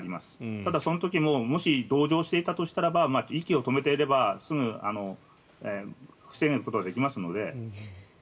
ただ、その時も同乗していたとしても息を止めていたら防ぐことはできますので。